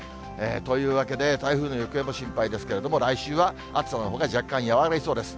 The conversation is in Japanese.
というわけで、台風の行方も心配ですけれども、来週は暑さのほうが若干弱まりそうです。